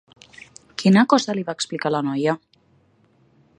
Quina cosa li va explicar a la noia?